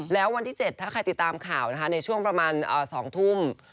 แล้ววันที่๗ถ้าใครติดตามข่าวนะคะในช่วงประมาณ๒ทุ่ม